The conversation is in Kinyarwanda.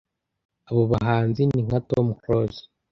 Abo bahanzi ni nka Tom Close